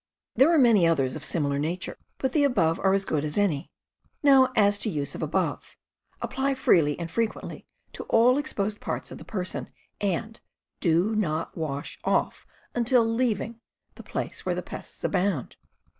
There are many others of similar nature, but the above are as good as any ... Now as to use of above: apply freely and frequently to all exposed parts of person, and do not wash off until leaving the place where the pests abound.